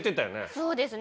そうですね。